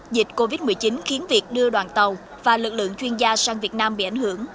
dịch covid một mươi chín khiến việc đưa đoàn tàu và lực lượng chuyên gia sang việt nam bị ảnh hưởng